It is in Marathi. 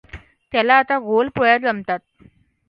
त्याला आता गोल पोळ्या जमतात.